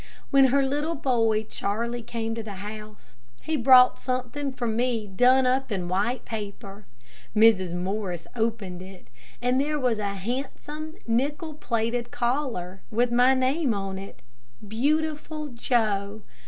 When her little boy Charlie came to the house, he brought something for me done up in white paper. Mrs. Morris opened it, and there was a handsome, nickel plated collar, with my name on it Beautiful Joe.'